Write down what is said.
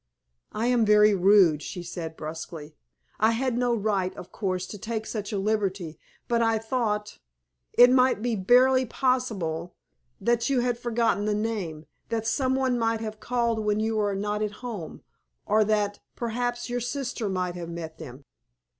"I am very rude," she said, brusquely. "I had no right, of course, to take such a liberty, but I thought it might be barely possible that you had forgotten the name, that some one might have called when you were not at home, or that, perhaps, your sister might have met them."